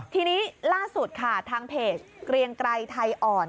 ทีนี้ล่าสุดค่ะทางเพจเกรียงไกรไทยอ่อน